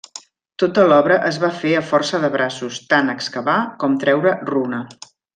Tota l'obra es va fer a força de braços, tant excavar com treure runa.